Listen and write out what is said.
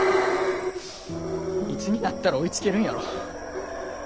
いつになったら追いつけるんやろ。